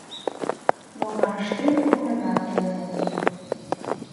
Логарышкем комыля тольо.